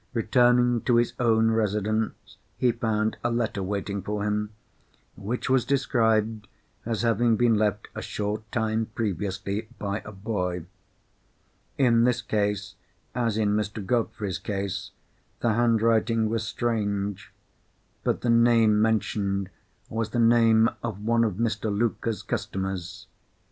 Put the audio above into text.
Returning to his own residence, he found a letter waiting for him, which was described as having been left a short time previously by a boy. In this case, as in Mr. Godfrey's case, the handwriting was strange; but the name mentioned was the name of one of Mr. Luker's customers.